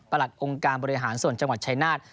องค์การบริหารส่วนจังหวัดชายนาฏ